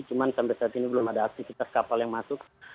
cuma sampai saat ini belum ada aktivitas kapal yang masuk